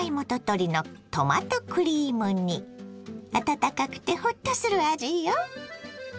温かくてホッとする味よ。